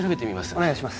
お願いします